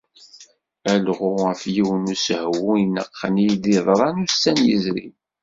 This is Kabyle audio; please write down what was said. Alɣu ɣef yiwen n usehwu ineqqen i d-yeḍran ussan yezrin.